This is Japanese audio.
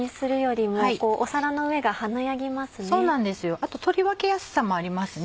あと取り分けやすさもありますね。